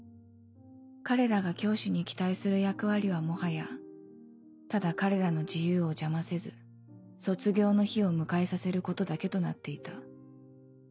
彼らが教師に期待する役割はもはやただ彼らの自由を邪魔せず卒業の日を迎えさせることだけとなっていた